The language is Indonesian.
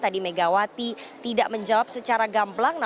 tadi megawati tidak menjawab secara gamblang